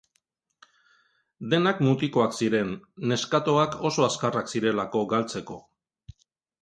Denak mutikoak ziren, neskatoak oso azkarrak zirelako galtzeko.